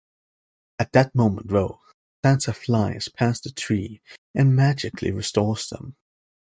At that moment though, Santa flies past the tree and magically restores them.